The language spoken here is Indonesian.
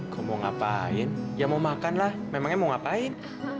kamu mau ngapain ya mau makan lah memangnya mau ngapain